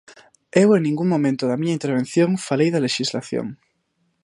Eu en ningún momento da miña intervención falei da lexislación.